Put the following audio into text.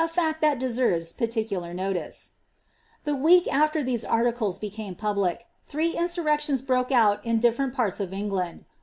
fact that deserves particular notice. The week ailer these articles became public, three inamigctioua brab out in diflerent parts of England.